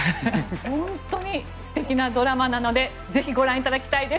本当に素敵なドラマなのでぜひ見ていただきたいです。